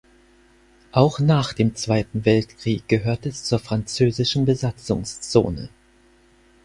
Auch nach dem Zweiten Weltkrieg gehörte es zur französischen Besatzungszone.